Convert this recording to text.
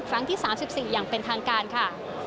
ครั้งที่๓๔อย่างเป็นทางการค่ะ